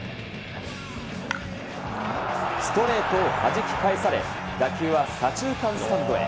ストレートをはじき返され、打球は左中間スタンドへ。